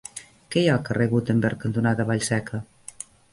Què hi ha al carrer Gutenberg cantonada Vallseca?